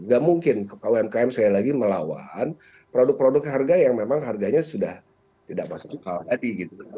nggak mungkin umkm saya lagi melawan produk produk harga yang memang harganya sudah tidak masuk ke dalam lagi